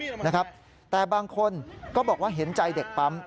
ใช่นะครับแต่บางคนก็บอกว่าเห็นใจเด็กปั๊ม